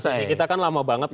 kita kan lama banget